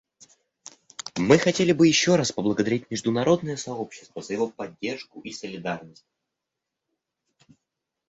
Мы хотели бы еще раз поблагодарить международное сообщество за его поддержку и солидарность.